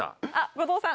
後藤さん。